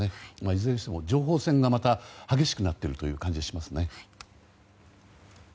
いずれにしても情報戦が激しくなっているという感じがしますね。